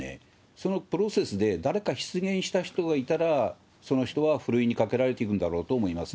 そのプロセスで、誰か失言した人がいたら、その人はふるいにかけられていくんだろうと思います。